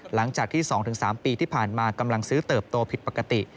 หลังจากที่๒๓ปีที่ผ่านมากำลังซื้อเติบโตผิดปกติ